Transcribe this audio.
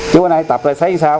chú anh ơi tập rồi thấy sao